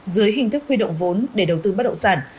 dưới hình thức huy động vốn để đầu tư bất động sản